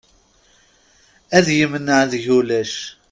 Ad yemneɛ deg ulac.